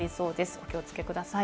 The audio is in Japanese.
お気をつけください。